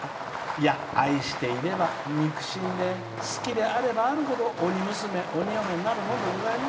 いや、愛していれば肉親で好きであればあるほど鬼娘、鬼嫁になるものです。